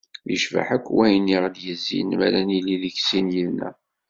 Yecbeḥ akk wayen i ɣ-d-yezzin m'ara nili deg sin yid-neɣ.